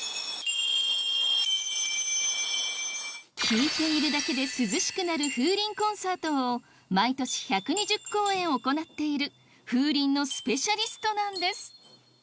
聴いているだけで涼しくなる風鈴コンサートを毎年１２０公演行っている風鈴のスペシャリストなんです